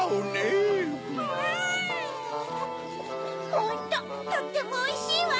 ホントとってもおいしいわ！